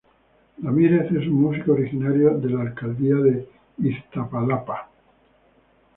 Ramírez es un músico originario de la alcaldía de Iztapalapa.